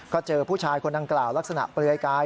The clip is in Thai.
ก็เจอผู้ชายคนดังกล่าวลักษณะเปลือยกาย